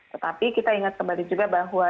tetapi kita ingat kembali juga bahwa